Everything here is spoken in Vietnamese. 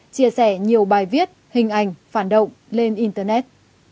chia sẻ nhiều bài viết hình ảnh phản động lên internet